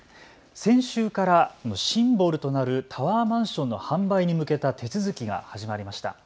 先週からシンボルとなるタワーマンションの販売に向けた手続きが始まりました。